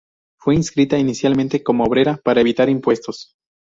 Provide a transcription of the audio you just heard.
Fue inscrita inicialmente como "obrera" para evitar impuestos.